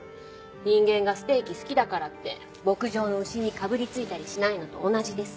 人間がステーキ好きだからって牧場の牛にかぶりついたりしないのと同じでさ。